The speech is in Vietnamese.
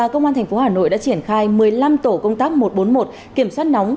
công an tp hà nội đã triển khai một mươi năm tổ công tác một trăm bốn mươi một kiểm soát nóng